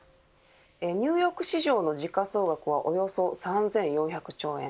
ニューヨーク市場の時価総額はおよそ３４００兆円